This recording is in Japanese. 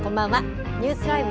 ニュースＬＩＶＥ！